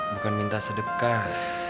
bukan minta sedekah